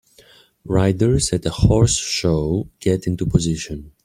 Riders at a horse show get into position.